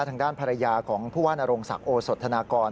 ทางด้านภรรยาของผู้ว่านโรงศักดิ์โอสธนากร